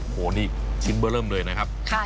เป็นไงค่ะ